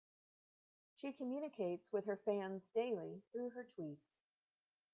She communicates with her fans daily through her tweets.